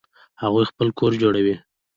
هغوی خپل کور جوړوي